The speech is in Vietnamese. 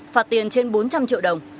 phạt tiền trên bốn trăm linh triệu đồng